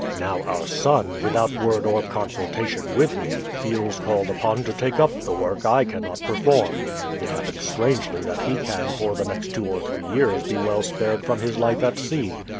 Now, our son, without word or consultation with me, feels called upon to take up the work I cannot perform. It happens strangely that he can for the next two or three years be well spared from his life at sea.